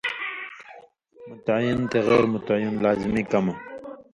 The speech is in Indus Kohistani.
متعیّن تے غیر متعیّن لازمی کمہۡ